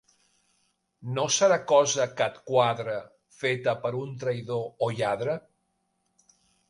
No serà cosa que et quadre, feta per un traïdor o lladre.